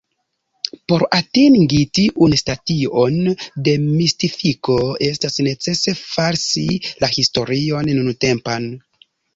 Por atingi tiun stadion de mistifiko, estas necese falsi la historion nuntempan.